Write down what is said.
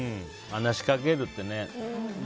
話しかけるってね。